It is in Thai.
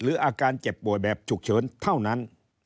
อาการเจ็บป่วยแบบฉุกเฉินเท่านั้น